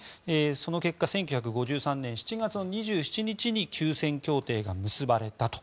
その結果１９５３年７月２７日に休戦協定が結ばれたと。